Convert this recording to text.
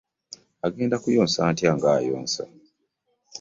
Agenda kuyonsa atya ng'ayonsa?